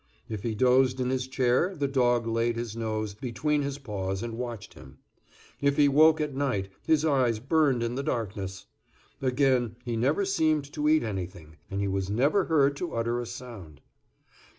If he dozed in his chair the dog laid his nose between his paws and watched him. If he woke at night his eyes burned in the darkness. Again, he never seemed to eat anything, and he was never heard to utter a sound.